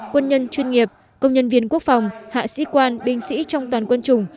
quân nhân chuyên nghiệp công nhân viên quốc phòng hạ sĩ quan binh sĩ trong toàn quân chủng